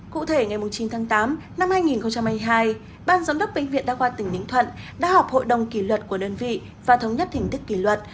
cụ thể ngày chín tháng tám năm hai nghìn hai mươi hai ban giám đốc bệnh viện đa khoa tỉnh ninh thuận đã họp hội đồng kỷ luật của đơn vị và thống nhất hình thức kỷ luật